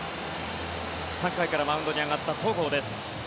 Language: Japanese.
３回からマウンドに上がった戸郷です。